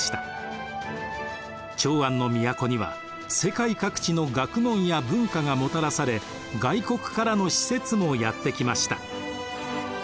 長安の都には世界各地の学問や文化がもたらされ外国からの使節もやって来ました。